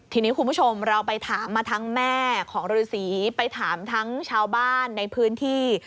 ทีนี้คุณผู้ชมเราไปถามมาทั้งแม่ของฤษีไปถามทั้งชาวบ้านในพื้นที่